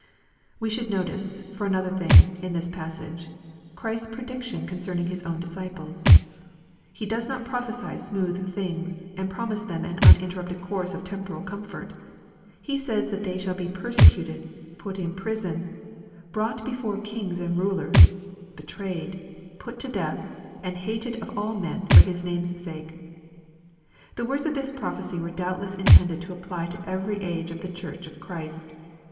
We should notice, for another thing, in this passage, Christ's prediction concerning His own disciples. He does not prophesy smooth things, and promise thena an unin terrupted course of temporal comfort. He says that they shall be " persecuted," put in "prison," " brought be fore kings and rulers," " betrayed," "put to death," and " hated of all men for His name's sake." The words of this prophecy were doubtless intended ^tf) apply to every age of the Church of Christ.